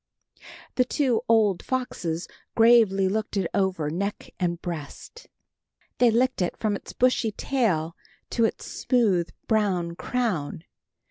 The two old foxes gravely looked it over neck and breast. They licked it from its bushy tail to its smooth, brown crown.